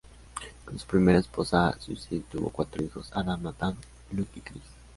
Con su primera esposa, Susie, tuvo cuatro hijos: Adam, Nathan, Luke y Chris.